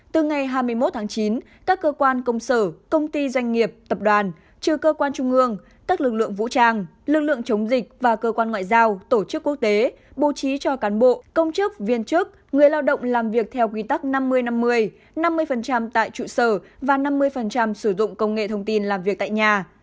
từ ngày hai mươi một tháng chín các cơ quan công sở công ty doanh nghiệp tập đoàn trừ cơ quan trung ương các lực lượng vũ trang lực lượng chống dịch và cơ quan ngoại giao tổ chức quốc tế bố trí cho cán bộ công chức viên chức người lao động làm việc theo quy tắc năm mươi năm mươi năm mươi tại trụ sở và năm mươi sử dụng công nghệ thông tin làm việc tại nhà